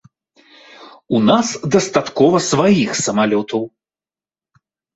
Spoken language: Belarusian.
У нас дастаткова сваіх самалётаў.